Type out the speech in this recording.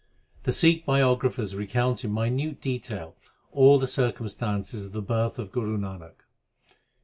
The Sikh biographers recount in minute detail all the circumstances of the birth of Guru Nanak.